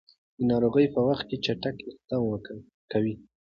د ناروغۍ په وخت کې چټک اقدام کوي.